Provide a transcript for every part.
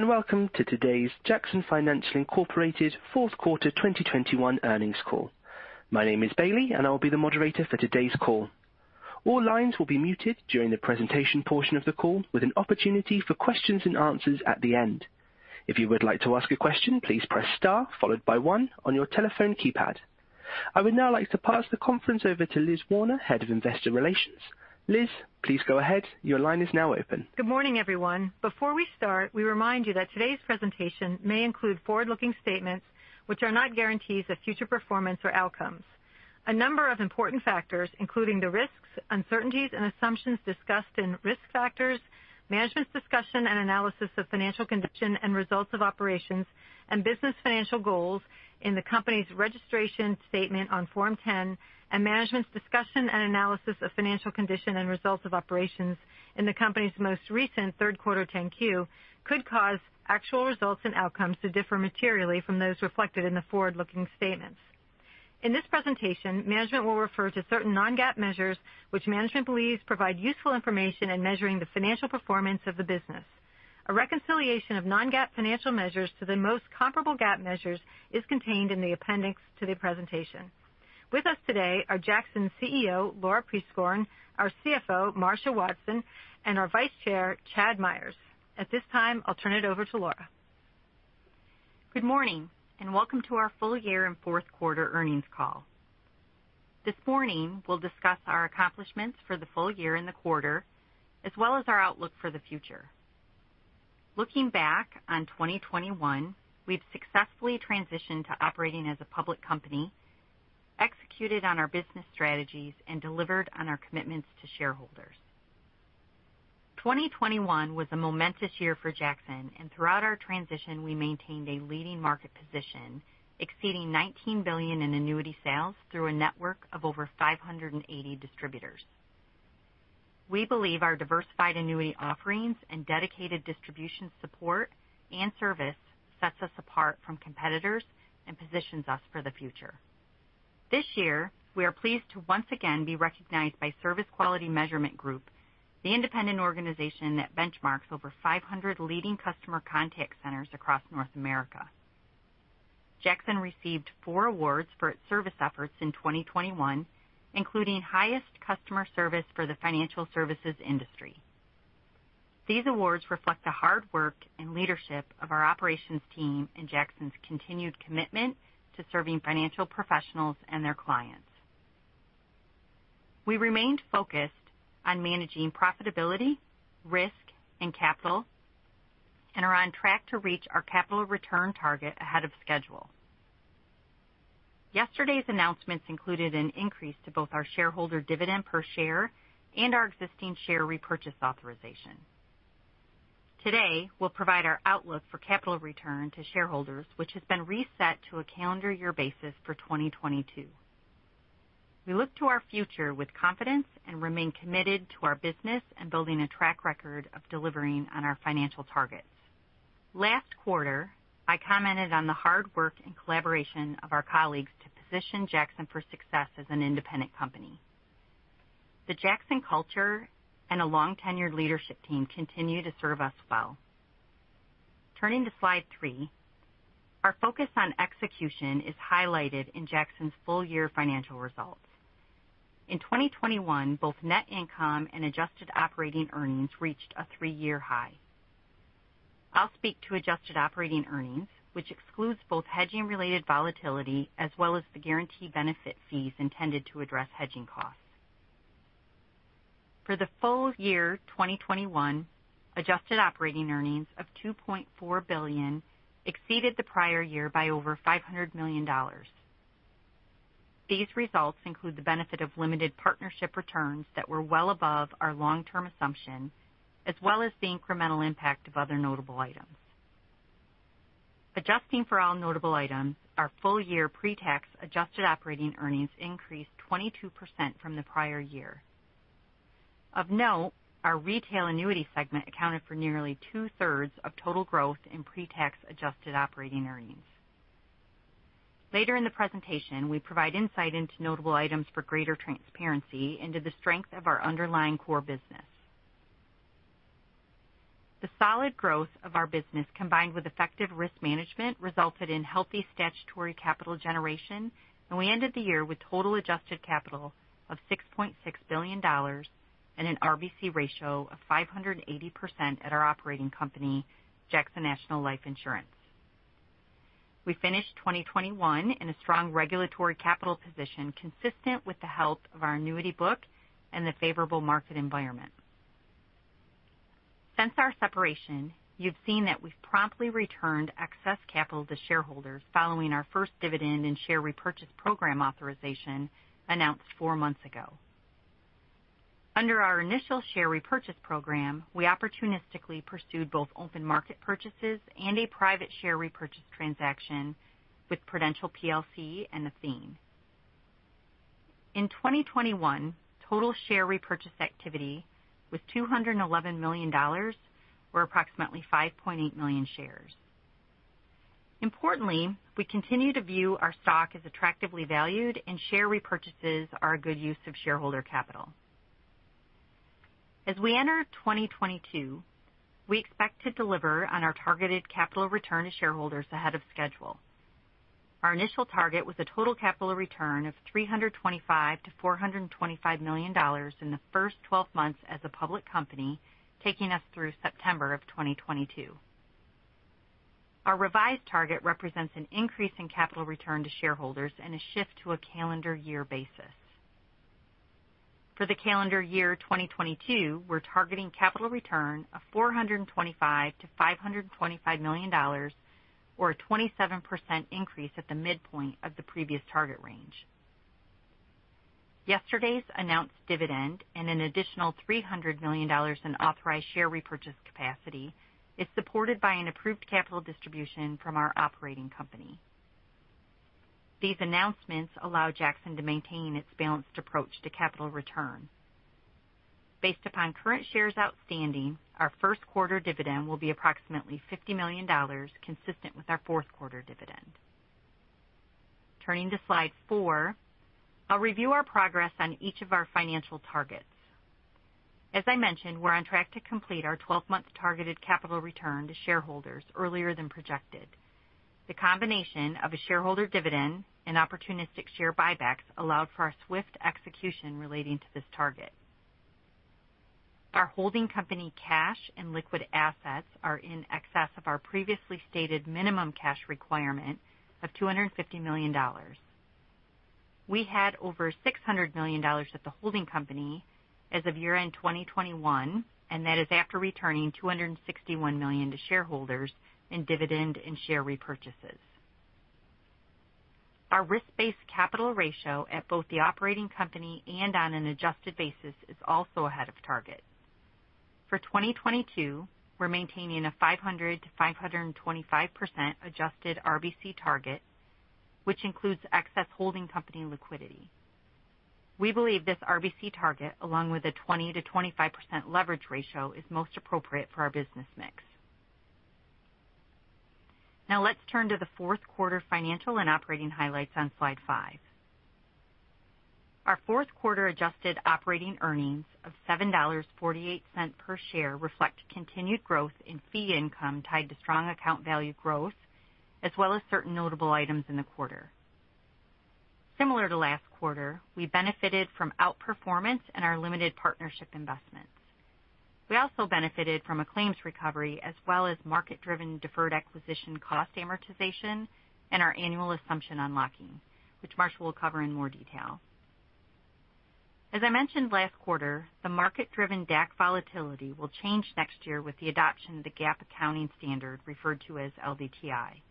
Welcome to today's Jackson Financial Inc. Q4 2021 earnings call. My name is Bailey, and I will be the moderator for today's call. All lines will be muted during the presentation portion of the call with an opportunity for questions and answers at the end. If you would like to ask a question, please press Star, followed by one on your telephone keypad. I would now like to pass the conference over to Liz Werner, Head of Investor Relations. Liz, please go ahead. Your line is now open. Good morning, everyone. Before we start, we remind you that today's presentation may include forward-looking statements which are not guarantees of future performance or outcomes. A number of important factors, including the risks, uncertainties and assumptions discussed in risk factors, management's discussion and analysis of financial condition and results of operations and business financial goals in the company's registration statement on Form 10, and management's discussion and analysis of financial condition and results of operations in the company's most recent Q3 10-Q, could cause actual results and outcomes to differ materially from those reflected in the forward-looking statements. In this presentation, management will refer to certain non-GAAP measures which management believes provide useful information in measuring the financial performance of the business. A reconciliation of non-GAAP financial measures to the most comparable GAAP measures is contained in the appendix to the presentation. With us today are Jackson CEO, Laura Prieskorn, our CFO, Marcia Wadsten, and our Vice Chair, Chad Myers. At this time, I'll turn it over to Laura. Good morning and welcome to our full year and Q4 earnings call. This morning we'll discuss our accomplishments for the full year and the quarter as well as our outlook for the future. Looking back on 2021, we've successfully transitioned to operating as a public company, executed on our business strategies and delivered on our commitments to shareholders. 2021 was a momentous year for Jackson and throughout our transition we maintained a leading market position exceeding $19 billion in annuity sales through a network of over 580 distributors. We believe our diversified annuity offerings and dedicated distribution support and service sets us apart from competitors and positions us for the future. This year, we are pleased to once again be recognized by Service Quality Measurement Group, the independent organization that benchmarks over 500 leading customer contact centers across North America. Jackson received 4 awards for its service efforts in 2021, including highest customer service for the financial services industry. These awards reflect the hard work and leadership of our operations team and Jackson's continued commitment to serving financial professionals and their clients. We remained focused on managing profitability, risk, and capital and are on track to reach our capital return target ahead of schedule. Yesterday's announcements included an increase to both our shareholder dividend per share and our existing share repurchase authorization. Today, we'll provide our outlook for capital return to shareholders, which has been reset to a calendar year basis for 2022. We look to our future with confidence and remain committed to our business and building a track record of delivering on our financial targets. Last quarter, I commented on the hard work and collaboration of our colleagues to position Jackson for success as an independent company. The Jackson culture and a long tenured leadership team continue to serve us well. Turning to slide three. Our focus on execution is highlighted in Jackson's full year financial results. In 2021, both net income and adjusted operating earnings reached a three-year high. I'll speak to adjusted operating earnings, which excludes both hedging related volatility as well as the guarantee benefit fees intended to address hedging costs. For the full year 2021, adjusted operating earnings of $2.4 billion exceeded the prior year by over $500 million. These results include the benefit of limited partnership returns that were well above our long term assumption, as well as the incremental impact of other notable items. Adjusting for all notable items, our full year pre-tax adjusted operating earnings increased 22% from the prior year. Of note, our retail annuity segment accounted for nearly two-thirds of total growth in pre-tax adjusted operating earnings. Later in the presentation, we provide insight into notable items for greater transparency into the strength of our underlying core business. The solid growth of our business, combined with effective risk management, resulted in healthy statutory capital generation, and we ended the year with total adjusted capital of $6.6 billion and an RBC ratio of 580% at our operating company, Jackson National Life Insurance. We finished 2021 in a strong regulatory capital position, consistent with the health of our annuity book and the favorable market environment. Since our separation, you've seen that we've promptly returned excess capital to shareholders following our first dividend and share repurchase program authorization announced four months ago. Under our initial share repurchase program, we opportunistically pursued both open market purchases and a private share repurchase transaction with Prudential plc and Athene. In 2021, total share repurchase activity was $211 million or approximately 5.8 million shares. Importantly, we continue to view our stock as attractively valued and share repurchases are a good use of shareholder capital. As we enter 2022, we expect to deliver on our targeted capital return to shareholders ahead of schedule. Our initial target was a total capital return of $325 million-$425 million in the first twelve months as a public company, taking us through September 2022. Our revised target represents an increase in capital return to shareholders and a shift to a calendar year basis. For the calendar year 2022, we're targeting capital return of $425 million-$525 million or a 27% increase at the midpoint of the previous target range. Yesterday's announced dividend and an additional $300 million in authorized share repurchase capacity is supported by an approved capital distribution from our operating company. These announcements allow Jackson to maintain its balanced approach to capital return. Based upon current shares outstanding, our Q1 dividend will be approximately $50 million, consistent with our Q4 dividend. Turning to slide 4, I'll review our progress on each of our financial targets. As I mentioned, we're on track to complete our 12-month targeted capital return to shareholders earlier than projected. The combination of a shareholder dividend and opportunistic share buybacks allowed for our swift execution relating to this target. Our holding company cash and liquid assets are in excess of our previously stated minimum cash requirement of $250 million. We had over $600 million at the holding company as of year-end 2021, and that is after returning $261 million to shareholders in dividend and share repurchases. Our risk-based capital ratio at both the operating company and on an adjusted basis is also ahead of target. For 2022, we're maintaining a 500%-525% adjusted RBC target, which includes excess holding company liquidity. We believe this RBC target, along with a 20%-25% leverage ratio, is most appropriate for our business mix. Now let's turn to the Q4 financial and operating highlights on slide 5. Our Q4 adjusted operating earnings of $7.48 per share reflect continued growth in fee income tied to strong account value growth as well as certain notable items in the quarter. Similar to last quarter, we benefited from outperformance in our limited partnership investments. We also benefited from a claims recovery as well as market-driven deferred acquisition cost amortization and our annual assumption unlocking, which Marsha will cover in more detail. As I mentioned last quarter, the market-driven DAC volatility will change next year with the adoption of the GAAP accounting standard referred to as LDTI.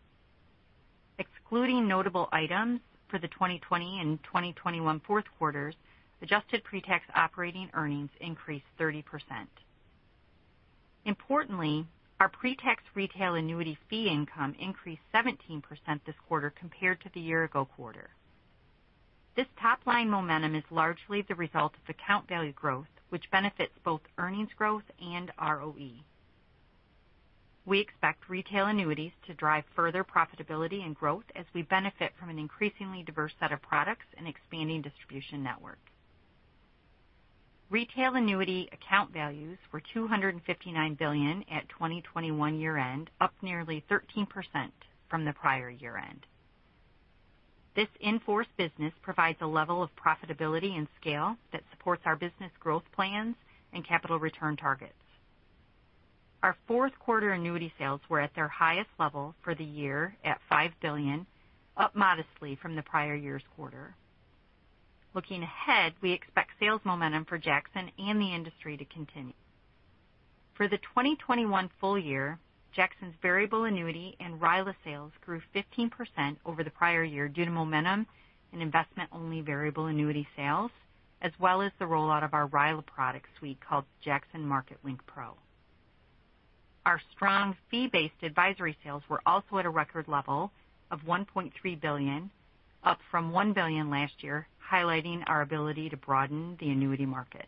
Excluding notable items for the 2020 and 2021 Q4's, adjusted pre-tax operating earnings increased 30%. Importantly, our pre-tax retail annuity fee income increased 17% this quarter compared to the year-ago quarter. This top-line momentum is largely the result of account value growth, which benefits both earnings growth and ROE. We expect retail annuities to drive further profitability and growth as we benefit from an increasingly diverse set of products and expanding distribution network. Retail annuity account values were $259 billion at 2021 year-end, up nearly 13% from the prior year-end. This in-force business provides a level of profitability and scale that supports our business growth plans and capital return targets. Our Q4 annuity sales were at their highest level for the year at $5 billion, up modestly from the prior year's quarter. Looking ahead, we expect sales momentum for Jackson and the industry to continue. For the 2021 full year, Jackson's variable annuity and RILA sales grew 15% over the prior year due to momentum in investment-only variable annuity sales as well as the rollout of our RILA product suite called Jackson MarketLink Pro. Our strong fee-based advisory sales were also at a record level of $1.3 billion, up from $1 billion last year, highlighting our ability to broaden the annuity market.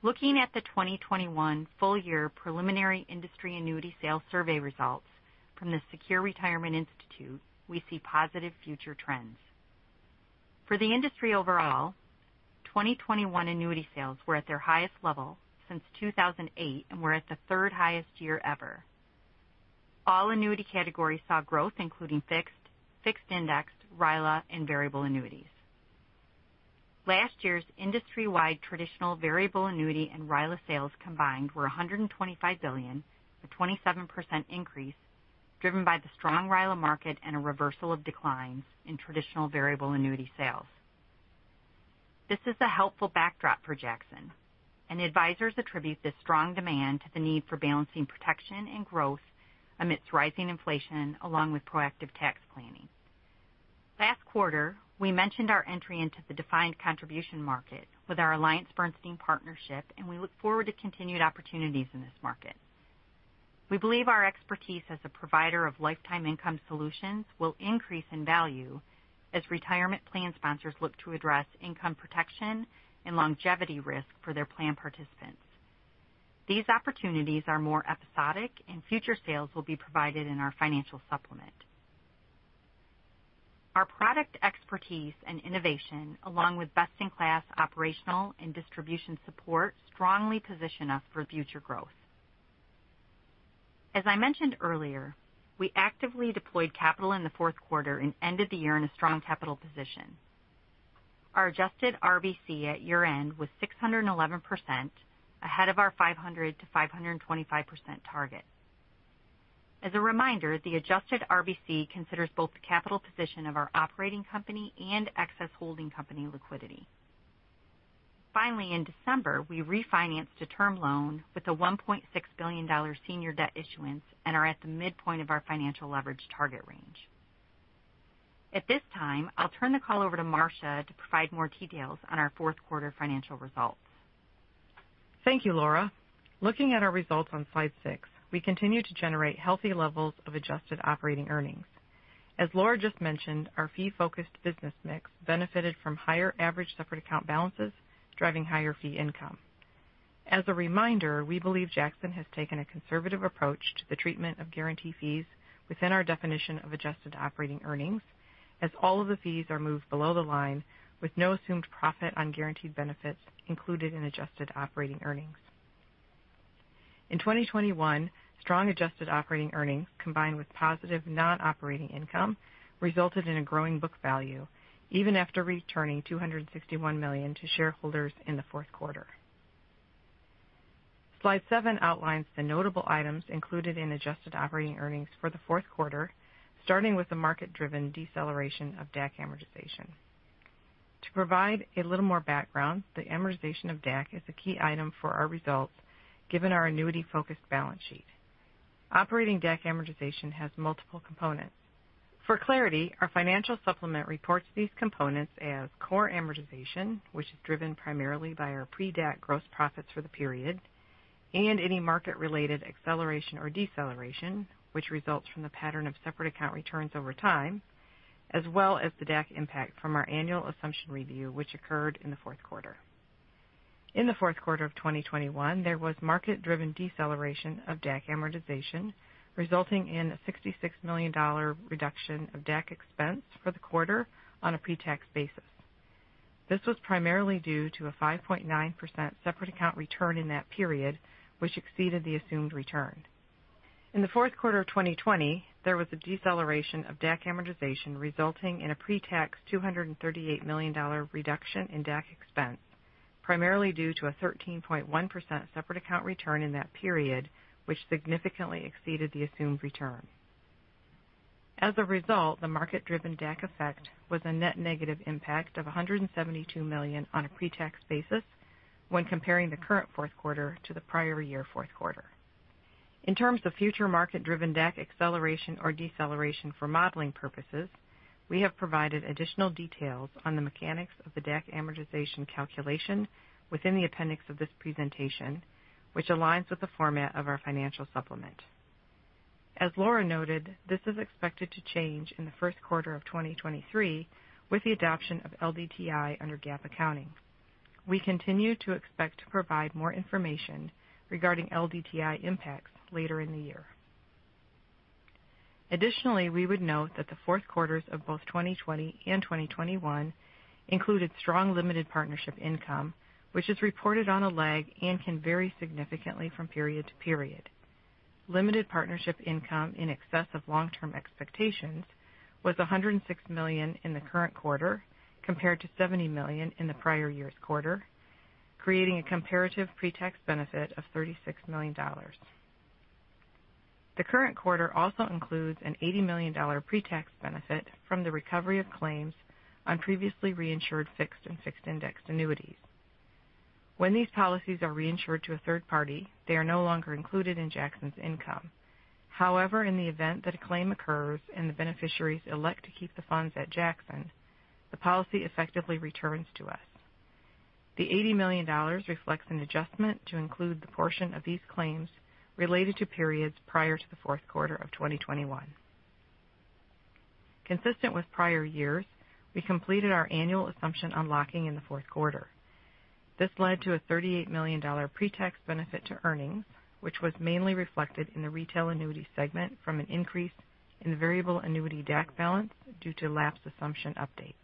Looking at the 2021 full year preliminary industry annuity sales survey results from the Secure Retirement Institute, we see positive future trends. For the industry overall, 2021 annuity sales were at their highest level since 2008 and were at the 3rd highest year ever. All annuity categories saw growth, including fixed index, RILA and variable annuities. Last year's industry-wide traditional variable annuity and RILA sales combined were $125 billion, a 27% increase driven by the strong RILA market and a reversal of declines in traditional variable annuity sales. This is a helpful backdrop for Jackson, and advisors attribute this strong demand to the need for balancing protection and growth amidst rising inflation along with proactive tax planning. Last quarter, we mentioned our entry into the defined contribution market with our AllianceBernstein partnership, and we look forward to continued opportunities in this market. We believe our expertise as a provider of lifetime income solutions will increase in value as retirement plan sponsors look to address income protection and longevity risk for their plan participants. These opportunities are more episodic and future sales will be provided in our financial supplement. Our product expertise and innovation, along with best-in-class operational and distribution support, strongly position us for future growth. As I mentioned earlier, we actively deployed capital in the Q4 and ended the year in a strong capital position. Our adjusted RBC at year-end was 611%, ahead of our 500%-525% target. As a reminder, the adjusted RBC considers both the capital position of our operating company and excess holding company liquidity. Finally, in December, we refinanced a term loan with a $1.6 billion senior debt issuance and are at the midpoint of our financial leverage target range. At this time, I'll turn the call over to Marcia to provide more details on our Q4 financial results. Thank you, Laura. Looking at our results on slide 6, we continue to generate healthy levels of adjusted operating earnings. As Laura just mentioned, our fee-focused business mix benefited from higher average separate account balances, driving higher fee income. As a reminder, we believe Jackson has taken a conservative approach to the treatment of guarantee fees within our definition of adjusted operating earnings, as all of the fees are moved below the line with no assumed profit on guaranteed benefits included in adjusted operating earnings. In 2021, strong adjusted operating earnings, combined with positive non-operating income, resulted in a growing book value even after returning $261 million to shareholders in the Q4. Slide 7 outlines the notable items included in adjusted operating earnings for the Q4, starting with the market-driven deceleration of DAC amortization. To provide a little more background, the amortization of DAC is a key item for our results given our annuity-focused balance sheet. Operating DAC amortization has multiple components. For clarity, our financial supplement reports these components as core amortization, which is driven primarily by our pre-DAC gross profits for the period, and any market-related acceleration or deceleration, which results from the pattern of separate account returns over time, as well as the DAC impact from our annual assumption review, which occurred in the Q4. In the Q4 of 2021, there was market-driven deceleration of DAC amortization, resulting in a $66 million reduction of DAC expense for the quarter on a pre-tax basis. This was primarily due to a 5.9% separate account return in that period, which exceeded the assumed return. In the Q4 of 2020, there was a deceleration of DAC amortization resulting in a pre-tax $238 million reduction in DAC expense, primarily due to a 13.1% separate account return in that period, which significantly exceeded the assumed return. As a result, the market-driven DAC effect was a net negative impact of $172 million on a pre-tax basis when comparing the current Q4 to the prior year Q4. In terms of future market-driven DAC acceleration or deceleration for modeling purposes, we have provided additional details on the mechanics of the DAC amortization calculation within the appendix of this presentation, which aligns with the format of our financial supplement. As Laura noted, this is expected to change in the Q1 of 2023 with the adoption of LDTI under GAAP accounting. We continue to expect to provide more information regarding LDTI impacts later in the year. Additionally, we would note that the Q4's of both 2020 and 2021 included strong limited partnership income, which is reported on a lag and can vary significantly from period to period. Limited partnership income in excess of long-term expectations was $106 million in the current quarter, compared to $70 million in the prior year's quarter, creating a comparative pre-tax benefit of $36 million. The current quarter also includes an $80 million pre-tax benefit from the recovery of claims on previously reinsured fixed and fixed-indexed annuities. When these policies are reinsured to a third party, they are no longer included in Jackson's income. However, in the event that a claim occurs and the beneficiaries elect to keep the funds at Jackson, the policy effectively returns to us. The $80 million reflects an adjustment to include the portion of these claims related to periods prior to the Q4 of 2021. Consistent with prior years, we completed our annual assumption unlocking in the Q4. This led to a $38 million pre-tax benefit to earnings, which was mainly reflected in the retail annuity segment from an increase in the variable annuity DAC balance due to lapse assumption updates.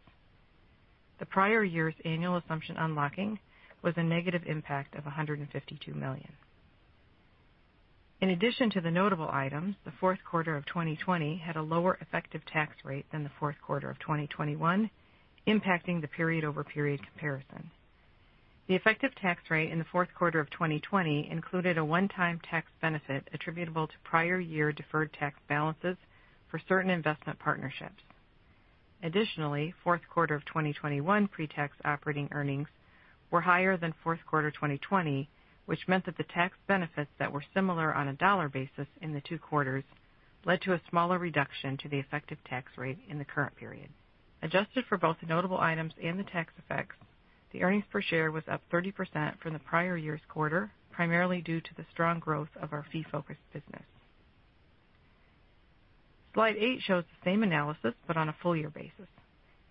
The prior year's annual assumption unlocking was a negative impact of $152 million. In addition to the notable items, the Q4 of 2020 had a lower effective tax rate than the Q4 of 2021, impacting the period-over-period comparison. The effective tax rate in the Q4 of 2020 included a one-time tax benefit attributable to prior year deferred tax balances for certain investment partnerships. Additionally, Q4 of 2021 pre-tax operating earnings were higher than Q4 2020, which meant that the tax benefits that were similar on a dollar basis in the two quarters led to a smaller reduction to the effective tax rate in the current period. Adjusted for both the notable items and the tax effects, the earnings per share was up 30% from the prior year's quarter, primarily due to the strong growth of our fee-focused business. Slide 8 shows the same analysis, but on a full year basis.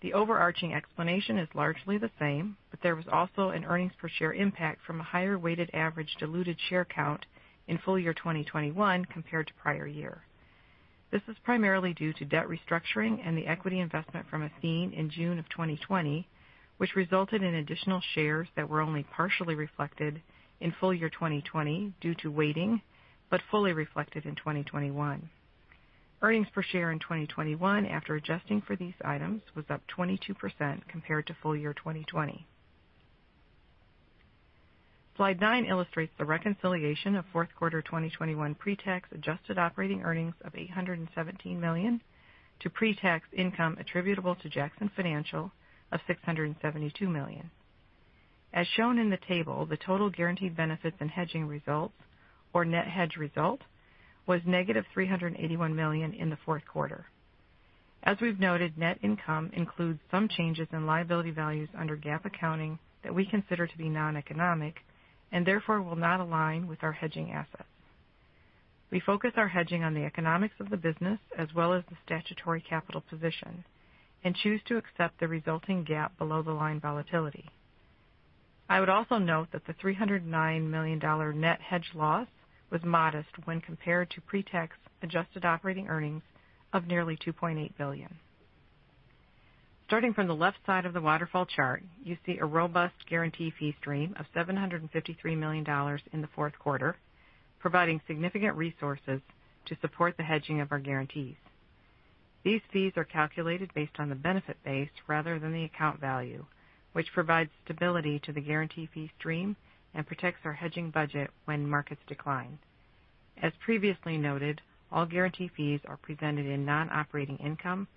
The overarching explanation is largely the same, but there was also an earnings per share impact from a higher weighted average diluted share count in full year 2021 compared to prior year. This is primarily due to debt restructuring and the equity investment from Athene in June of 2020, which resulted in additional shares that were only partially reflected in full year 2020 due to weighting, but fully reflected in 2021. Earnings per share in 2021, after adjusting for these items, was up 22% compared to full year 2020. Slide 9 illustrates the reconciliation of Q4 2021 pre-tax adjusted operating earnings of $817 million to pre-tax income attributable to Jackson Financial of $672 million. As shown in the table, the total guaranteed benefits and hedging results or net hedge result was negative $381 million in the Q4. As we've noted, net income includes some changes in liability values under GAAP accounting that we consider to be non-economic and therefore will not align with our hedging assets. We focus our hedging on the economics of the business as well as the statutory capital position, and choose to accept the resulting GAAP below the line volatility. I would also note that the $309 million net hedge loss was modest when compared to pre-tax adjusted operating earnings of nearly $2.8 billion. Starting from the left side of the waterfall chart, you see a robust guarantee fee stream of $753 million in the Q4, providing significant resources to support the hedging of our guarantees. These fees are calculated based on the benefit base rather than the account value, which provides stability to the guarantee fee stream and protects our hedging budget when markets decline. As previously noted, all guarantee fees are presented in non-operating income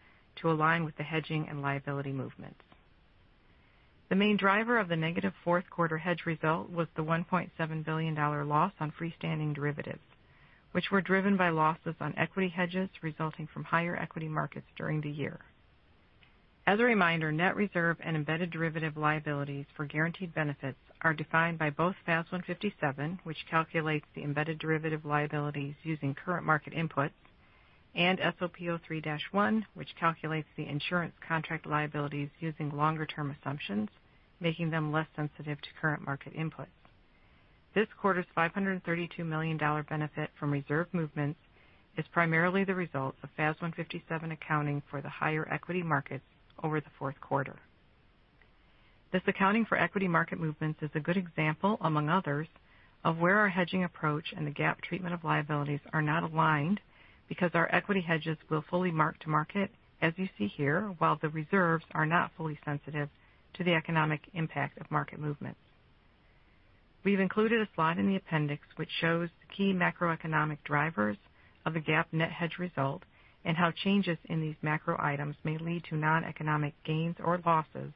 to align with the hedging and liability movements. The main driver of the negative Q4 hedge result was the $1.7 billion loss on freestanding derivatives, which were driven by losses on equity hedges resulting from higher equity markets during the year. As a reminder, net reserve and embedded derivative liabilities for guaranteed benefits are defined by both FAS 157, which calculates the embedded derivative liabilities using current market inputs, and SOP 03-1, which calculates the insurance contract liabilities using longer term assumptions, making them less sensitive to current market inputs. This quarter's $532 million benefit from reserve movements is primarily the result of FAS 157 accounting for the higher equity markets over the Q4. This accounting for equity market movements is a good example, among others, of where our hedging approach and the GAAP treatment of liabilities are not aligned because our equity hedges will fully mark to market, as you see here, while the reserves are not fully sensitive to the economic impact of market movements. We've included a slide in the appendix which shows the key macroeconomic drivers of the GAAP net hedge result and how changes in these macro items may lead to noneconomic gains or losses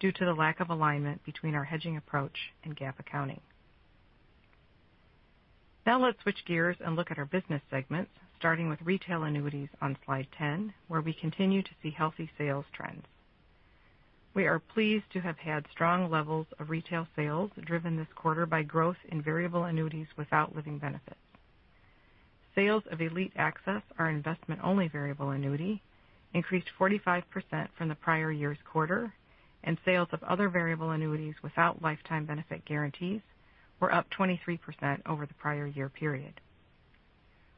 due to the lack of alignment between our hedging approach and GAAP accounting. Now let's switch gears and look at our business segments, starting with retail annuities on slide 10, where we continue to see healthy sales trends. We are pleased to have had strong levels of retail sales driven this quarter by growth in variable annuities without living benefits. Sales of Elite Access, our investment-only variable annuity, increased 45% from the prior year's quarter, and sales of other variable annuities without lifetime benefit guarantees were up 23% over the prior year period.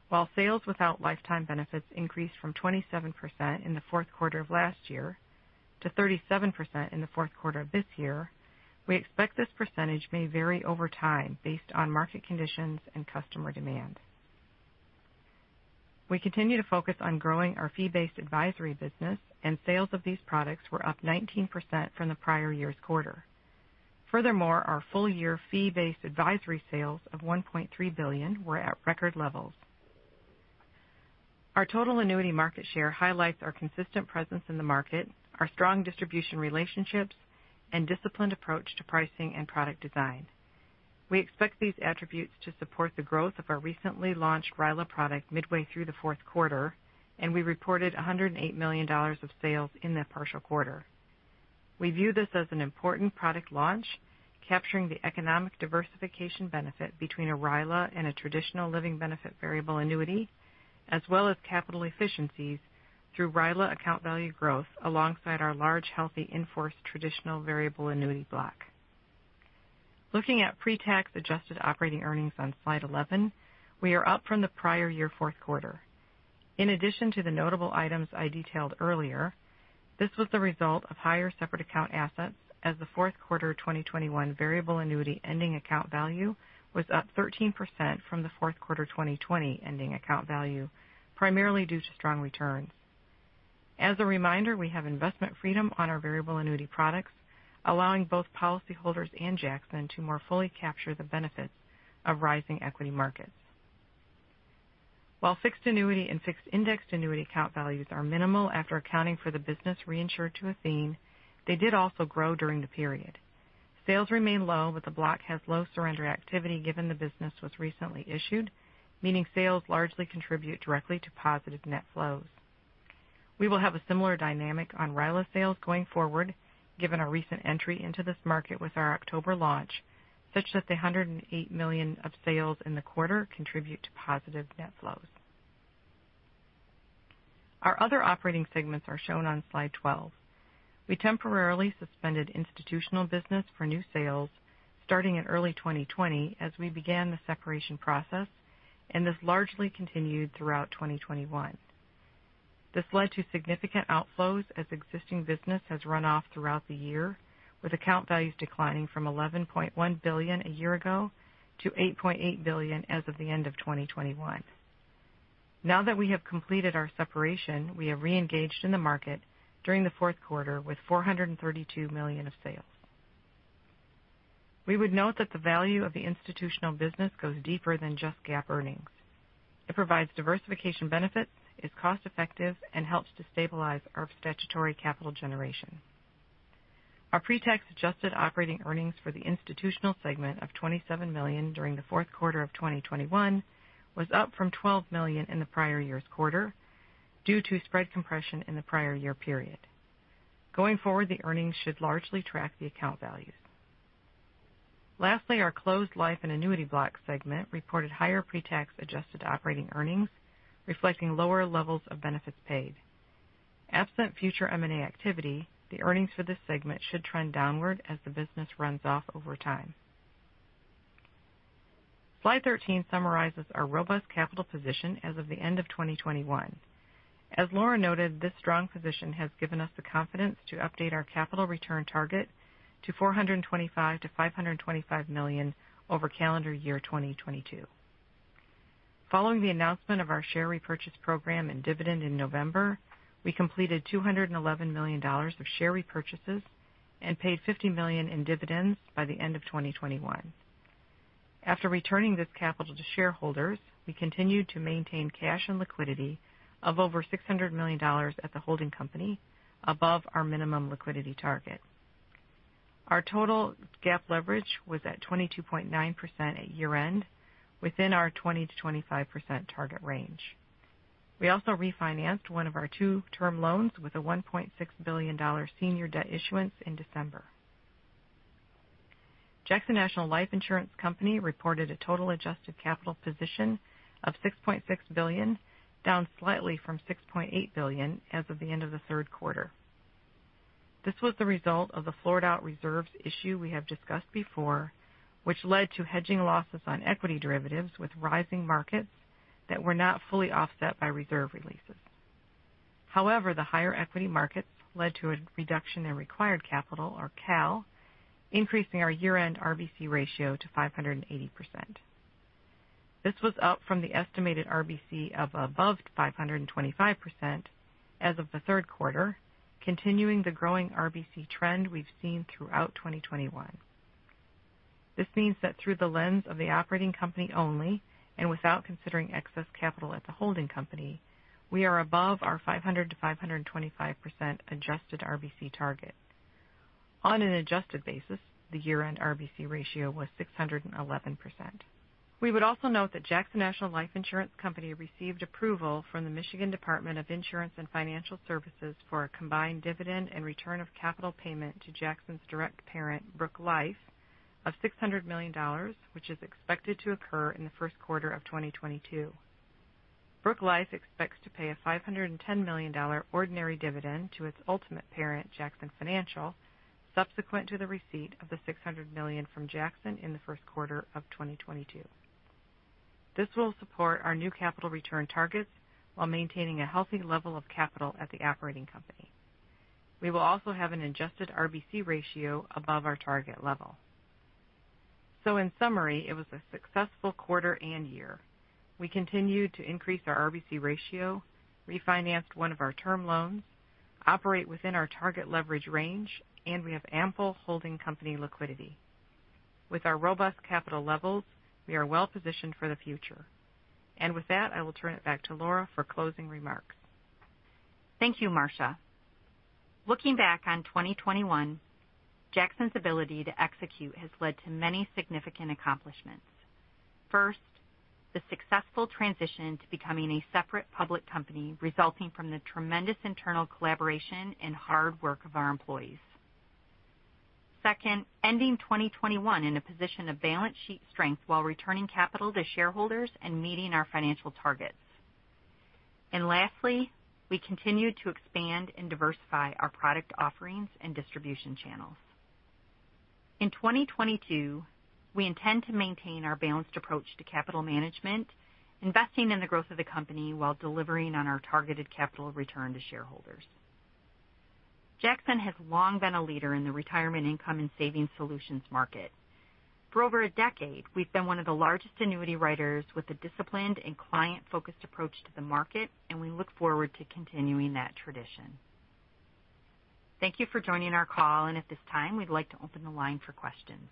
While sales without lifetime benefits increased from 27% in the Q4 of last year to 37% in the fourth quarter of this year, we expect this percentage may vary over time based on market conditions and customer demand. We continue to focus on growing our fee-based advisory business and sales of these products were up 19% from the prior year's quarter. Furthermore, our full year fee-based advisory sales of $1.3 billion were at record levels. Our total annuity market share highlights our consistent presence in the market, our strong distribution relationships, and disciplined approach to pricing and product design. We expect these attributes to support the growth of our recently launched RILA product midway through the fourth quarter, and we reported $108 million of sales in that partial quarter. We view this as an important product launch, capturing the economic diversification benefit between a RILA and a traditional living benefit variable annuity, as well as capital efficiencies through RILA account value growth alongside our large, healthy in-force traditional variable annuity block. Looking at pre-tax adjusted operating earnings on slide 11, we are up from the prior year fourth quarter. In addition to the notable items I detailed earlier, this was the result of higher separate account assets as the fourth quarter of 2021 variable annuity ending account value was up 13% from the fourth quarter of 2020 ending account value, primarily due to strong returns. As a reminder, we have investment freedom on our variable annuity products, allowing both policyholders and Jackson to more fully capture the benefits of rising equity markets. While fixed annuity and fixed-indexed annuity account values are minimal after accounting for the business reinsured to Athene, they did also grow during the period. Sales remain low, but the block has low surrender activity given the business was recently issued, meaning sales largely contribute directly to positive net flows. We will have a similar dynamic on RILA sales going forward, given our recent entry into this market with our October launch, such that the $108 million of sales in the quarter contribute to positive net flows. Our other operating segments are shown on slide 12. We temporarily suspended institutional business for new sales starting in early 2020 as we began the separation process, and this largely continued throughout 2021. This led to significant outflows as existing business has run off throughout the year, with account values declining from $11.1 billion a year ago to $8.8 billion as of the end of 2021. Now that we have completed our separation, we have re-engaged in the market during the fourth quarter with $432 million of sales. We would note that the value of the institutional business goes deeper than just GAAP earnings. It provides diversification benefits, is cost-effective, and helps to stabilize our statutory capital generation. Our pre-tax adjusted operating earnings for the institutional segment of $27 million during the fourth quarter of 2021 was up from $12 million in the prior year's quarter due to spread compression in the prior year period. Going forward, the earnings should largely track the account values. Lastly, our closed life and annuity block segment reported higher pre-tax adjusted operating earnings, reflecting lower levels of benefits paid. Absent future M&A activity, the earnings for this segment should trend downward as the business runs off over time. Slide 13 summarizes our robust capital position as of the end of 2021. As Laura noted, this strong position has given us the confidence to update our capital return target to $425 million-$525 million over calendar year 2022. Following the announcement of our share repurchase program and dividend in November, we completed $211 million of share repurchases and paid $50 million in dividends by the end of 2021. After returning this capital to shareholders, we continued to maintain cash and liquidity of over $600 million at the holding company above our minimum liquidity target. Our total GAAP leverage was at 22.9% at year-end, within our 20%-25% target range. We also refinanced one of our two term loans with a $1.6 billion senior debt issuance in December. Jackson National Life Insurance Company reported a total adjusted capital position of $6.6 billion, down slightly from $6.8 billion as of the end of the third quarter. This was the result of the floored out reserves issue we have discussed before, which led to hedging losses on equity derivatives with rising markets that were not fully offset by reserve releases. However, the higher equity markets led to a reduction in required capital, or CAL, increasing our year-end RBC ratio to 580%. This was up from the estimated RBC of above 525% as of the third quarter, continuing the growing RBC trend we've seen throughout 2021. This means that through the lens of the operating company only, and without considering excess capital at the holding company, we are above our 500%-525% adjusted RBC target. On an adjusted basis, the year-end RBC ratio was 611%. We would also note that Jackson National Life Insurance Company received approval from the Michigan Department of Insurance and Financial Services for a combined dividend and return of capital payment to Jackson's direct parent, Brooke Life, of $600 million, which is expected to occur in the first quarter of 2022. Brooke Life expects to pay a $510 million ordinary dividend to its ultimate parent, Jackson Financial, subsequent to the receipt of the $600 million from Jackson in the first quarter of 2022. This will support our new capital return targets while maintaining a healthy level of capital at the operating company. We will also have an adjusted RBC ratio above our target level. In summary, it was a successful quarter and year. We continued to increase our RBC ratio, refinanced one of our term loans, operate within our target leverage range, and we have ample holding company liquidity. With our robust capital levels, we are well positioned for the future. With that, I will turn it back to Laura Prieskorn for closing remarks. Thank you, Marcia. Looking back on 2021, Jackson's ability to execute has led to many significant accomplishments. First, the successful transition to becoming a separate public company, resulting from the tremendous internal collaboration and hard work of our employees. Second, ending 2021 in a position of balance sheet strength while returning capital to shareholders and meeting our financial targets. Lastly, we continued to expand and diversify our product offerings and distribution channels. In 2022, we intend to maintain our balanced approach to capital management, investing in the growth of the company while delivering on our targeted capital return to shareholders. Jackson has long been a leader in the retirement income and savings solutions market. For over a decade, we've been one of the largest annuity writers with a disciplined and client-focused approach to the market, and we look forward to continuing that tradition. Thank you for joining our call, and at this time, we'd like to open the line for questions.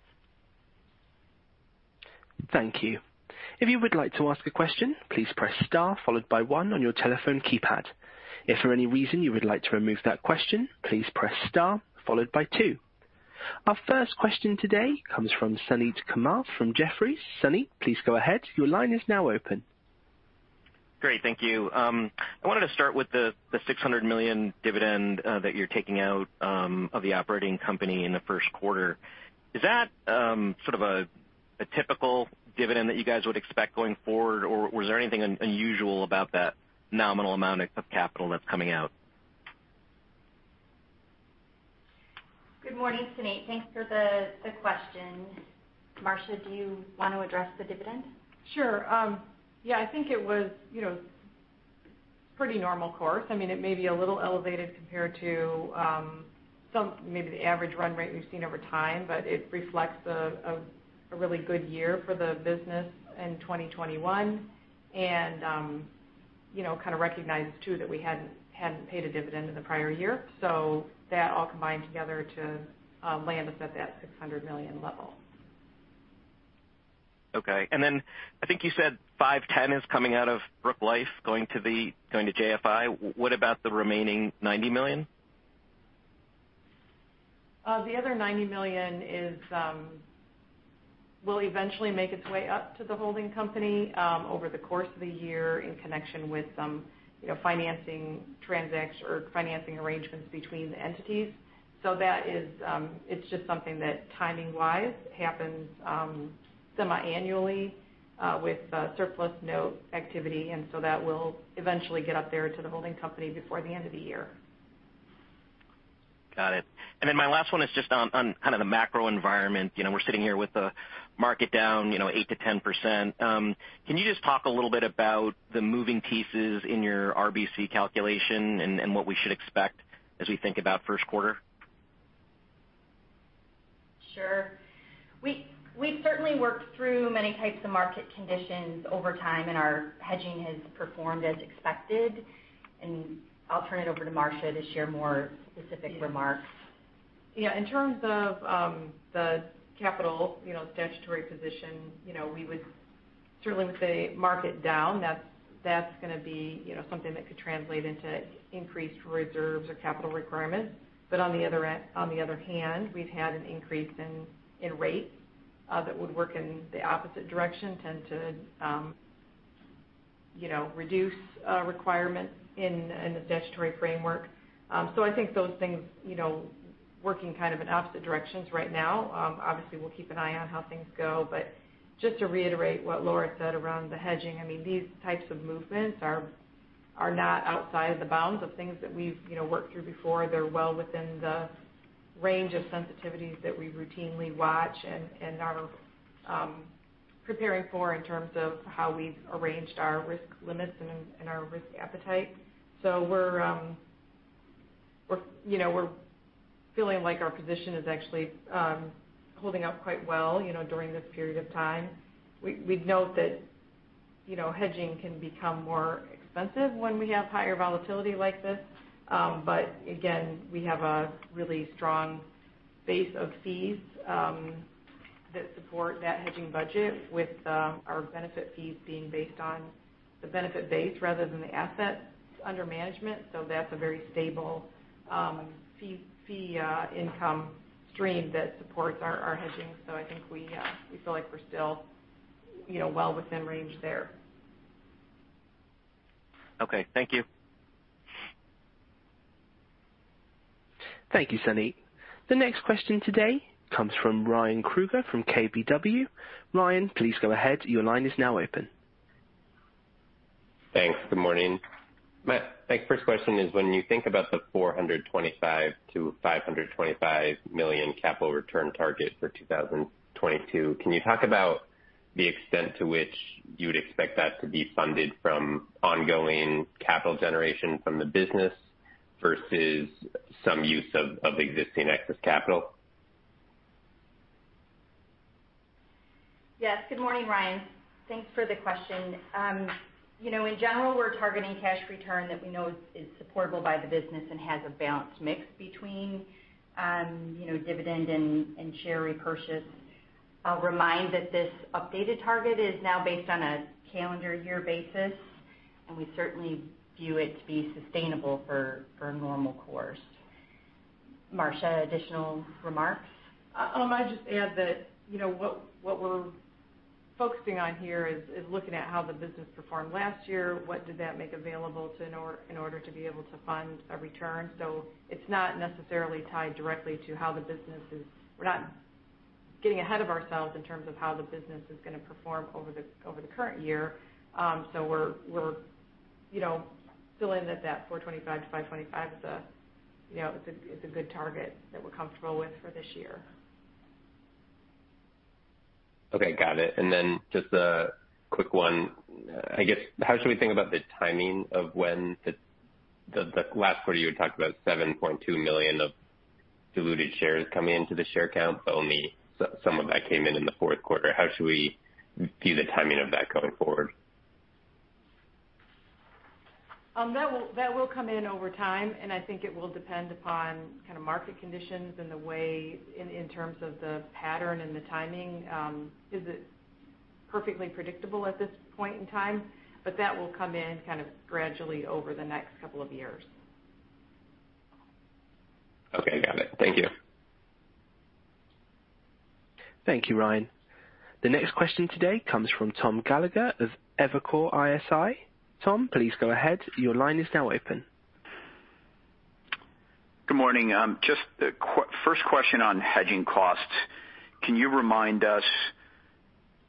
Our first question today comes from Suneet Kamath from Jefferies. Suneet, please go ahead. Your line is now open. Great. Thank you. I wanted to start with the $600 million dividend that you're taking out of the operating company in the first quarter. Is that a typical dividend that you guys would expect going forward, or was there anything unusual about that nominal amount of capital that's coming out? Good morning, Suneet. Thanks for the question. Marcia, do you want to address the dividend? Sure. Yeah, I think it was, you know, pretty normal course. I mean, it may be a little elevated compared to some maybe the average run rate we've seen over time, but it reflects a really good year for the business in 2021 and, you know, recognized too that we hadn't paid a dividend in the prior year. That all combined together to land us at that $600 million level. Okay. I think you said $510 million is coming out of Brooke Life going to JFI. What about the remaining $90 million? The other $90 million is will eventually make its way up to the holding company over the course of the year in connection with some, you know, financing arrangements between the entities. That is it's just something that timing-wise happens semi-annually with surplus note activity, and so that will eventually get up there to the holding company before the end of the year. Got it. My last one is just on the macro environment. You know, we're sitting here with the market down, you know, 8%-10%. Can you just talk a little bit about the moving pieces in your RBC calculation and what we should expect as we think about first quarter? Sure. We've certainly worked through many types of market conditions over time, and our hedging has performed as expected. I'll turn it over to Marcia to share more specific remarks. Yeah. In terms of the capital, you know, statutory position, you know, we would certainly say market down, that's gonna be, you know, something that could translate into increased reserves or capital requirements. On the other end, on the other hand, we've had an increase in rates that would work in the opposite direction, tend to reduce requirements in the statutory framework. I think those things, you know, working in opposite directions right now, obviously we'll keep an eye on how things go. Just to reiterate what Laura said around the hedging, I mean, these types of movements are not outside the bounds of things that we've, you know, worked through before. They're well within the range of sensitivities that we routinely watch and are preparing for in terms of how we've arranged our risk limits and our risk appetite. We're, you know, feeling like our position is actually holding up quite well, you know, during this period of time. We'd note that, you know, hedging can become more expensive when we have higher volatility like this. Again, we have a really strong base of fees that support that hedging budget with our benefit fees being based on the benefit base rather than the assets under management. That's a very stable fee income stream that supports our hedging. I think we feel like we're still, you know, well within range there. Okay. Thank you. Thank you, Suneet. The next question today comes from Ryan Krueger from KBW. Ryan, please go ahead. Your line is now open. Thanks. Good morning. My first question is when you think about the $425 million-$525 million capital return target for 2022, can you talk about the extent to which you would expect that to be funded from ongoing capital generation from the business versus some use of existing excess capital? Yes. Good morning, Ryan. Thanks for the question. You know, in general, we're targeting cash return that we know is supportable by the business and has a balanced mix between dividend and share repurchase. I'll remind that this updated target is now based on a calendar year basis, and we certainly view it to be sustainable for a normal course. Marcia, additional remarks? I just add that, you know, what we're focusing on here is looking at how the business performed last year, what did that make available in order to be able to fund a return. It's not necessarily tied directly to how the business is. We're not getting ahead of ourselves in terms of how the business is gonna perform over the current year. We're, you know, feeling that $425 million-$525 million is a good target that we're comfortable with for this year. Okay. Got it. Just a quick one. I guess, how should we think about the timing of when the last quarter you had talked about 7.2 million of diluted shares coming into the share count, but only some of that came in in the fourth quarter. How should we view the timing of that going forward? That will come in over time, and I think it will depend upon market conditions and the way in terms of the pattern and the timing, is it perfectly predictable at this point in time, but that will come in gradually over the next couple of years. Okay. Got it. Thank you. Thank you, Ryan. The next question today comes from Tom Gallagher of Evercore ISI. Tom, please go ahead. Your line is now open. Good morning. Just a first question on hedging costs. Can you remind us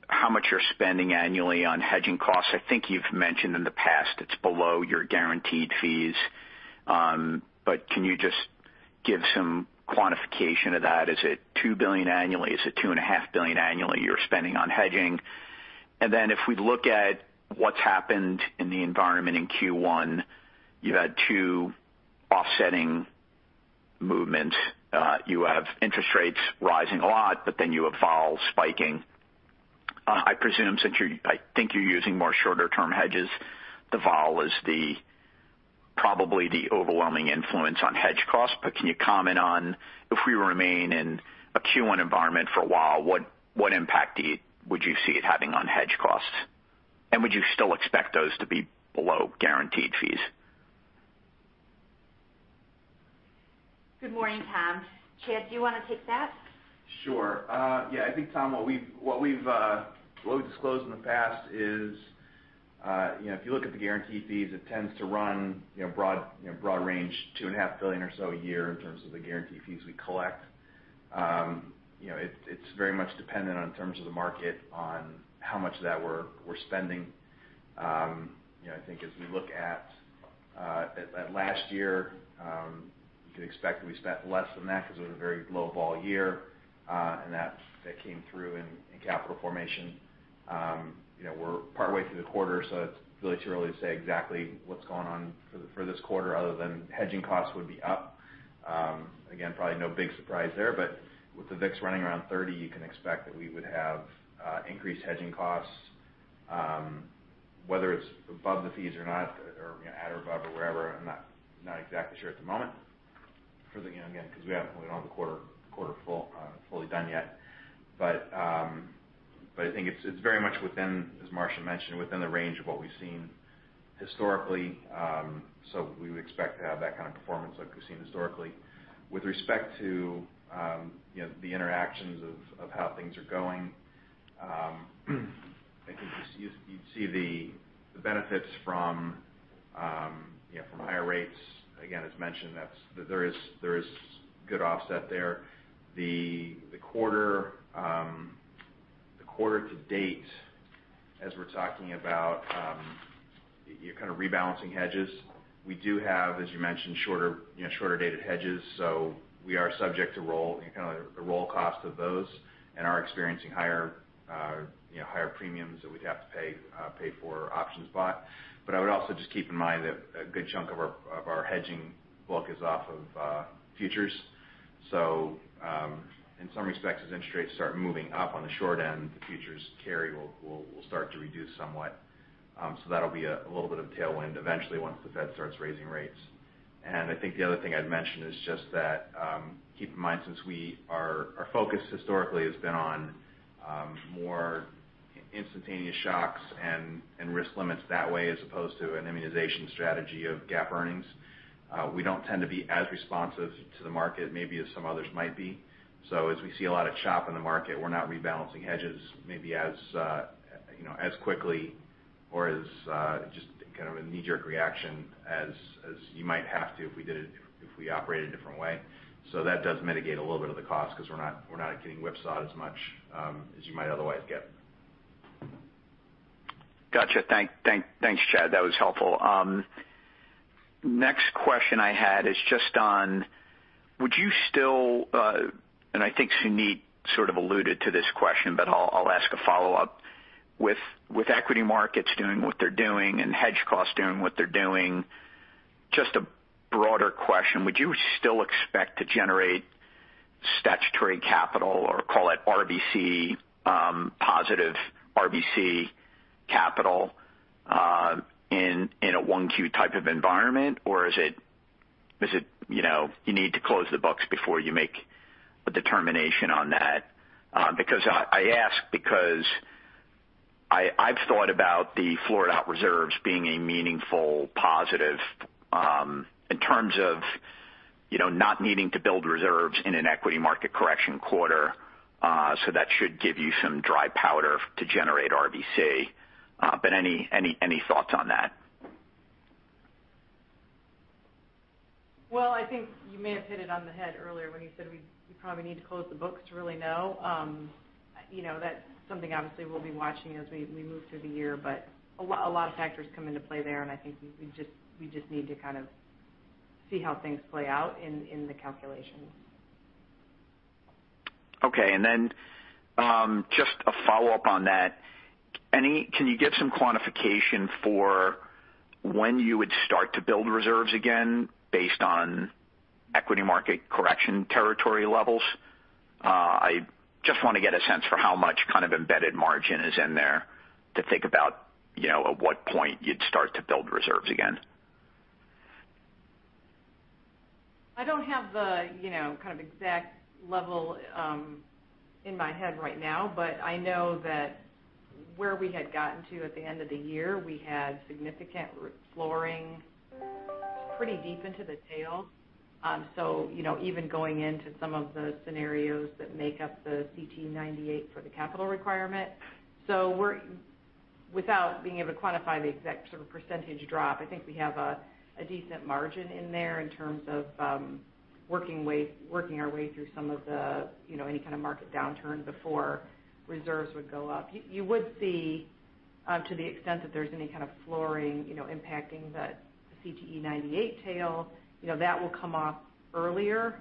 how much you're spending annually on hedging costs? I think you've mentioned in the past it's below your guaranteed fees. Can you just give some quantification of that? Is it $2 billion annually? Is it $2.5 billion annually you're spending on hedging? Then if we look at what's happened in the environment in Q1, you had two offsetting movements. You have interest rates rising a lot, but then you have vol spiking. I presume since I think you're using more shorter-term hedges, the vol is probably the overwhelming influence on hedge costs. Can you comment on if we remain in a Q1 environment for a while, what impact would you see it having on hedge costs? Would you still expect those to be below guaranteed fees? Good morning, Tom. Chad, do you wanna take that? Sure. Yeah. I think, Tom, what we've disclosed in the past is, you know, if you look at the guaranteed fees, it tends to run, you know, broad range, $2.5 billion or so a year in terms of the guaranteed fees we collect. You know, it's very much dependent on terms of the market on how much of that we're spending. You know, I think as we look at last year, you could expect that we spent less than that because it was a very low vol year, and that came through in capital formation. You know, we're partway through the quarter, so it's really too early to say exactly what's going on for this quarter other than hedging costs would be up. Again, probably no big surprise there, but with the VIX running around 30, you can expect that we would have increased hedging costs, whether it's above the fees or not or, you know, at or above or wherever. I'm not exactly sure at the moment again, because we haven't gone the quarter fully done yet. I think it's very much within, as Marcia mentioned, within the range of what we've seen historically. We would expect to have that performance like we've seen historically. With respect to, you know, the interactions of how things are going, I think you'd see the benefits from, you know, from higher rates. Again, as mentioned, there is good offset there. The quarter to date as we're talking about, you're rebalancing hedges. We do have, as you mentioned, shorter, you know, shorter dated hedges. So we are subject to roll, you know, the roll cost of those and are experiencing higher, you know, higher premiums that we'd have to pay for options bought. But I would also just keep in mind that a good chunk of our hedging book is off of futures. So in some respects, as interest rates start moving up on the short end, the futures carry will start to reduce somewhat. So that'll be a little bit of tailwind eventually once the Fed starts raising rates. I think the other thing I'd mention is just that, keep in mind since our focus historically has been on more instantaneous shocks and risk limits that way as opposed to an immunization strategy of gap earnings, we don't tend to be as responsive to the market maybe as some others might be. As we see a lot of chop in the market, we're not rebalancing hedges maybe as you know as quickly or as just a knee-jerk reaction as you might have to if we operated a different way. That does mitigate a little bit of the cost because we're not getting whipsawed as much as you might otherwise get. Gotcha. Thanks, Chad. That was helpful. Next question I had is just on would you still, and I think Suneet alluded to this question, but I'll ask a follow-up. With equity markets doing what they're doing and hedge costs doing what they're doing, just a broader question. Would you still expect to generate statutory capital or call it RBC, positive RBC capital, in a 1Q type of environment? Or is it, you know, you need to close the books before you make a determination on that? Because I ask because I've thought about the Florida reserves being a meaningful positive, in terms of, you know, not needing to build reserves in an equity market correction quarter, so that should give you some dry powder to generate RBC. Any thoughts on that? Well, I think you may have hit it on the head earlier when you said we probably need to close the books to really know. You know, that's something obviously we'll be watching as we move through the year. But a lot of factors come into play there, and I think we just need to see how things play out in the calculations. Okay. Just a follow-up on that. Can you give some quantification for when you would start to build reserves again based on equity market correction territory levels? I just wanna get a sense for how much embedded margin is in there to think about, you know, at what point you'd start to build reserves again. I don't have the, you know, exact level in my head right now, but I know that where we had gotten to at the end of the year, we had significant flooring pretty deep into the tail. You know, even going into some of the scenarios that make up the CTE 98 for the capital requirement. We're without being able to quantify the exact percentage drop. I think we have a decent margin in there in terms of working our way through some of the, you know, any market downturn before reserves would go up. You would see, to the extent that there's any flooring, you know, impacting the CTE 98 tail, you know, that will come off earlier,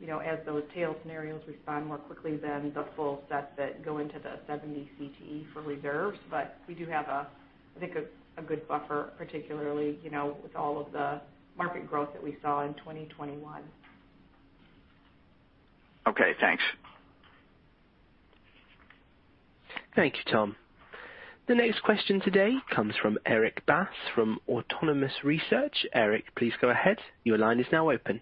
you know, as those tail scenarios respond more quickly than the full set that go into the 70 CTE for reserves. But we do have, I think, a good buffer, particularly, you know, with all of the market growth that we saw in 2021. Okay, thanks. Thank you, Tom. The next question today comes from Erik Bass from Autonomous Research. Erik, please go ahead. Your line is now open.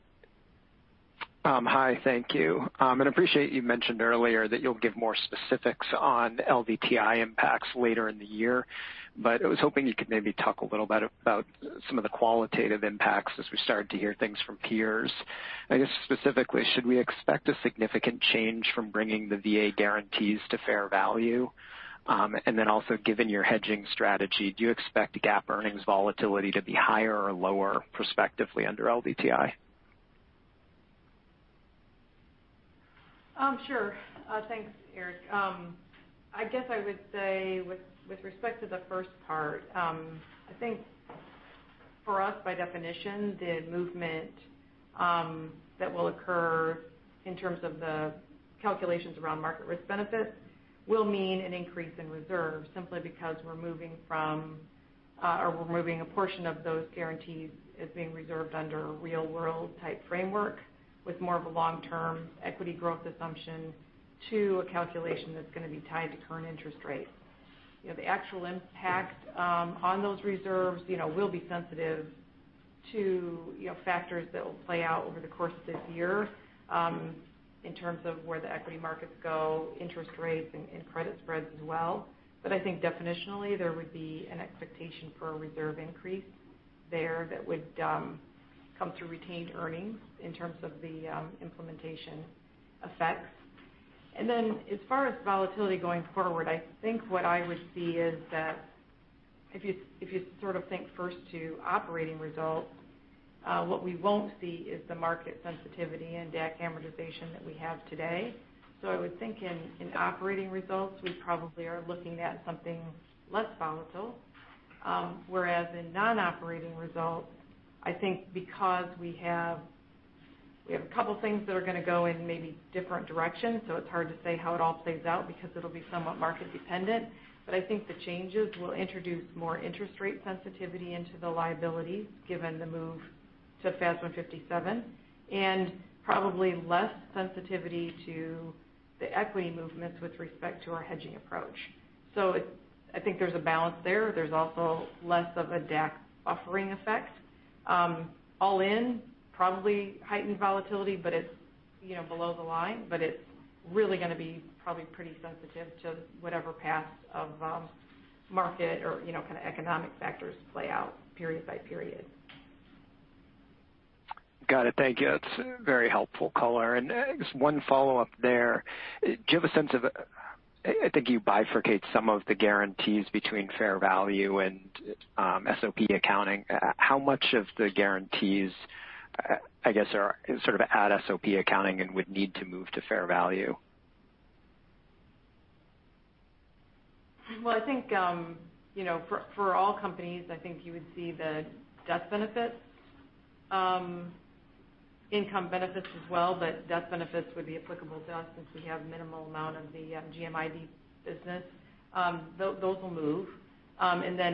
Hi. Thank you. I appreciate you mentioned earlier that you'll give more specifics on LDTI impacts later in the year, but I was hoping you could maybe talk a little about some of the qualitative impacts as we start to hear things from peers. I guess, specifically, should we expect a significant change from bringing the VA guarantees to fair value? Given your hedging strategy, do you expect GAAP earnings volatility to be higher or lower prospectively under LDTI? Sure. Thanks, Erik. I guess I would say with respect to the first part, I think for us, by definition, the movement that will occur in terms of the calculations around market risk benefits will mean an increase in reserves simply because we're moving a portion of those guarantees as being reserved under real-world type framework with more of a long-term equity growth assumption to a calculation that's gonna be tied to current interest rates. You know, the actual impact on those reserves, you know, will be sensitive to, you know, factors that will play out over the course of this year, in terms of where the equity markets go, interest rates, and credit spreads as well. I think definitionally, there would be an expectation for a reserve increase there that would come through retained earnings in terms of the implementation effects. As far as volatility going forward, I think what I would see is that if you think first to operating results, what we won't see is the market sensitivity and DAC amortization that we have today. I would think in operating results, we probably are looking at something less volatile. Whereas in non-operating results, I think because we have a couple things that are gonna go in maybe different directions, it's hard to say how it all plays out because it'll be somewhat market dependent. I think the changes will introduce more interest rate sensitivity into the liabilities, given the move to FAS 157, and probably less sensitivity to the equity movements with respect to our hedging approach. I think there's a balance there. There's also less of a DAC buffering effect. All in, probably heightened volatility, but it's, you know, below the line. It's really gonna be probably pretty sensitive to whatever paths of market or, you know, economic factors play out period by period. Got it. Thank you. That's very helpful color. Just one follow-up there. Do you have a sense of, I think you bifurcate some of the guarantees between fair value and SOP accounting, how much of the guarantees, I guess, are on SOP accounting and would need to move to fair value? Well, I think you know for all companies I think you would see the death benefits, income benefits as well, but death benefits would be applicable to us since we have minimal amount of the GMIB business. Those will move.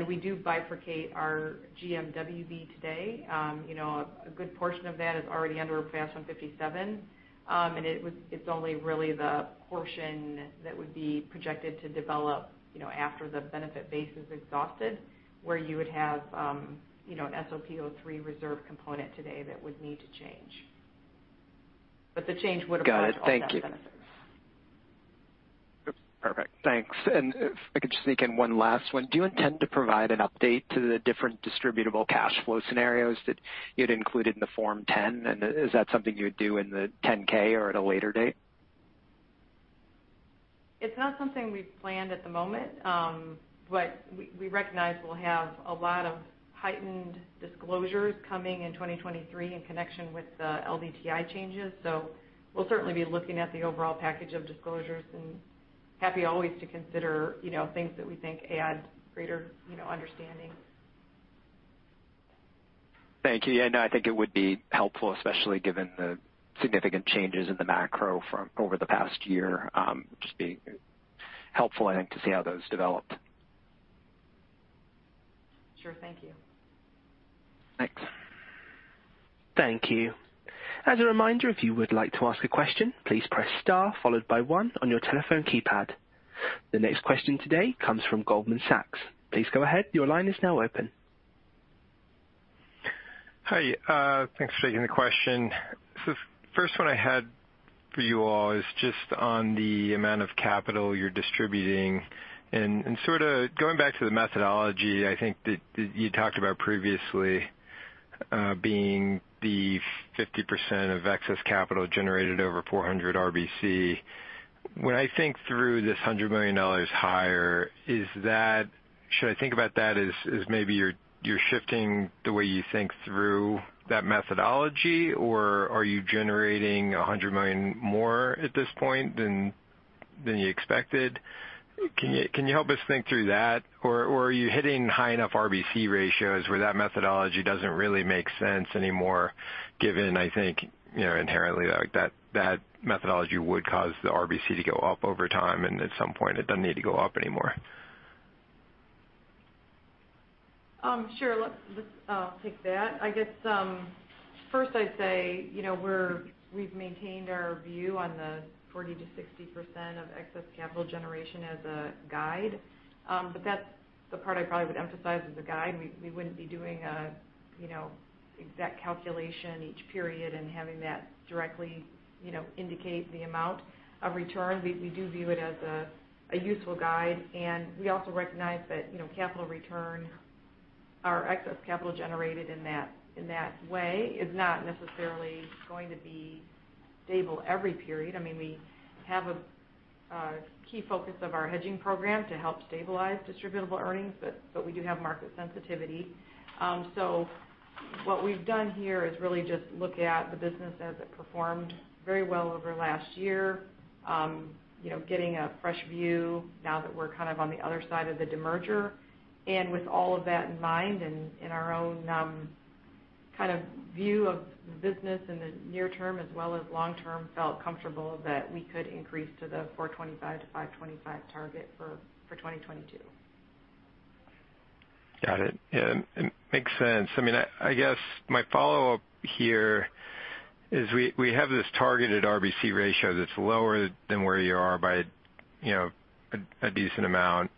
We do bifurcate our GMWB today. You know a good portion of that is already under FAS 157. It's only really the portion that would be projected to develop you know after the benefit base is exhausted where you would have you know an SOP 03 reserve component today that would need to change. The change would- Got it. Thank you Perfect. Thanks. If I could just sneak in one last one. Do you intend to provide an update to the different distributable cash flow scenarios that you'd included in the Form 10? And is that something you would do in the 10-K or at a later date? It's not something we've planned at the moment. We recognize we'll have a lot of heightened disclosures coming in 2023 in connection with the LDTI changes. We'll certainly be looking at the overall package of disclosures and happy always to consider, you know, things that we think add greater, you know, understanding. Thank you. I think it would be helpful, especially given the significant changes in the macro from over the past year, to see how those developed. Sure. Thank you. Thanks. Thank you. As a reminder, if you would like to ask a question, please press star followed by one on your telephone keypad. The next question today comes from Goldman Sachs. Please go ahead. Your line is now open. Hi, thanks for taking the question. First one I had for you all is just on the amount of capital you're distributing and sorta going back to the methodology, I think that you talked about previously, being the 50% of excess capital generated over 400 RBC. When I think through this $100 million higher, is that. Should I think about that as maybe you're shifting the way you think through that methodology or are you generating a $100 million more at this point than you expected? Can you help us think through that? Are you hitting high enough RBC ratios where that methodology doesn't really make sense anymore, given, I think, you know, inherently like that methodology would cause the RBC to go up over time and at some point it doesn't need to go up anymore. Sure. I'll take that. I guess, first I'd say, you know, we've maintained our view on the 40%-60% of excess capital generation as a guide. But that's the part I probably would emphasize as a guide. We wouldn't be doing, you know, exact calculation each period and having that directly, you know, indicate the amount of return. We do view it as a useful guide. We also recognize that, you know, capital return or excess capital generated in that way is not necessarily going to be stable every period. I mean, we have a key focus of our hedging program to help stabilize distributable earnings. But we do have market sensitivity. What we've done here is really just look at the business as it performed very well over last year. You know, getting a fresh view now that we're on the other side of the demerger. With all of that in mind and in our own view of the business in the near term as well as long term, felt comfortable that we could increase to the $425-$525 target for 2022. Got it. Yeah. Makes sense. I mean, I guess my follow-up here is we have this targeted RBC ratio that's lower than where you are by, you know, a decent amount.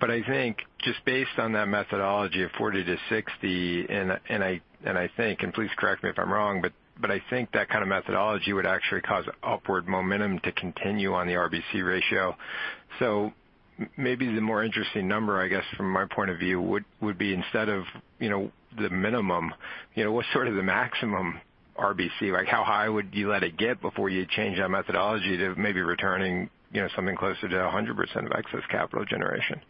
I think just based on that methodology of 40%-60%, and I think, please correct me if I'm wrong, but I think that methodology would actually cause upward momentum to continue on the RBC ratio. Maybe the more interesting number, I guess, from my point of view, would be instead of, you know, the minimum. You know, what's the maximum RBC? Like, how high would you let it get before you change that methodology to maybe returning, you know, something closer to 100% of excess capital generation?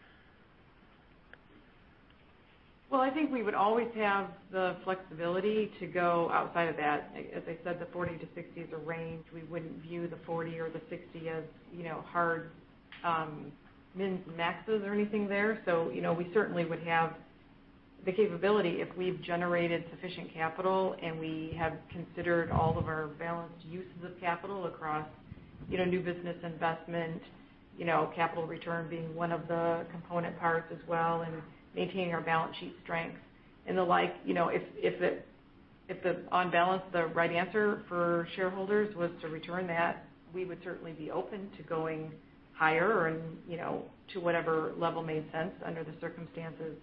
Well, I think we would always have the flexibility to go outside of that. As I said, the 40-60 is a range. We wouldn't view the 40 or the 60 as, you know, hard min-maxes or anything there. You know, we certainly would have the capability if we've generated sufficient capital, and we have considered all of our balanced uses of capital across, you know, new business investment, you know, capital return being one of the component parts as well and maintaining our balance sheet strength and the like. You know, if, on balance, the right answer for shareholders was to return that, we would certainly be open to going higher and, you know, to whatever level made sense under the circumstances.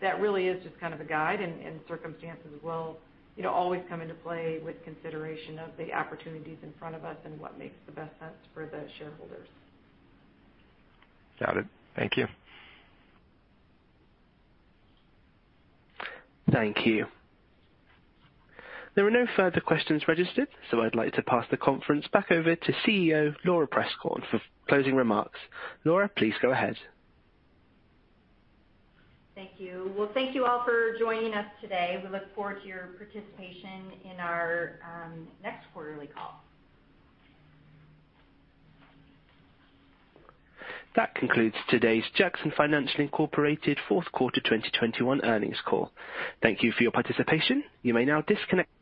That really is just a guide and circumstances will, you know, always come into play with consideration of the opportunities in front of us and what makes the best sense for the shareholders. Got it. Thank you. Thank you. There are no further questions registered, so I'd like to pass the conference back over to CEO Laura Prieskorn for closing remarks. Laura, please go ahead. Thank you. Well, thank you all for joining us today. We look forward to your participation in our next quarterly call. That concludes today's Jackson Financial Inc. fourth quarter 2021 earnings call. Thank you for your participation. You may now disconnect your-